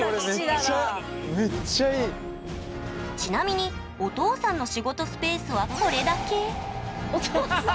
ちなみにお父さんの仕事スペースはこれだけお父さん。